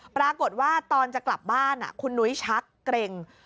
ปรากฏว่าตอนจะกลับบ้านคุณนุ้ยชักเกร็ง